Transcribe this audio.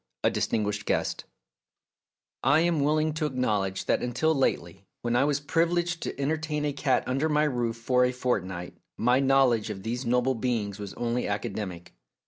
A DISTINGUISHED GUEST 1 AM willing to acknowledge that until lately, when I was privileged to entertain a cat under my roof for a fortnight, my know ledge of these noble beings was only academic.